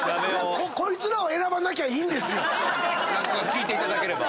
聞いていただければ。